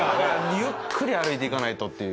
ゆっくり歩いていかないとっていう。